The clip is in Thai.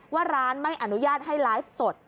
ว่าร้านไม่อนุญาตให้ไลฟ์สด